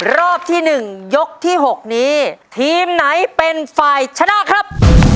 รอบที่๑ยกที่๖นี้ทีมไหนเป็นฝ่ายชนะครับ